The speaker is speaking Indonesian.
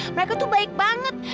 mereka tuh baik banget